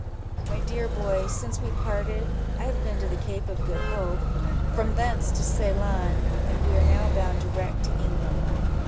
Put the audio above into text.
"My dear boy, since we parted, I have been to the Cape of Good Hope, from thence to Ceylon, and we are now bound direct to England."